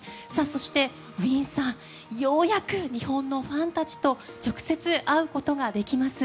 そして、ウィンさんようやく日本のファンたちと直接、会うことができます。